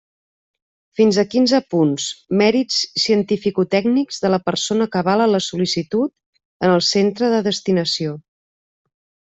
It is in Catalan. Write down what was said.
Fins a quinze punts: mèrits cientificotècnics de la persona que avala la sol·licitud en el centre de destinació.